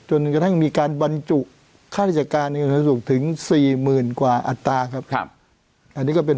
จนกระทั่งมีการบรรจุค่าธิจการสาธารณสุขัน